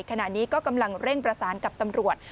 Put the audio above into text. ขณะนี้ก็กำลังเร่งประสานกับตำรวจ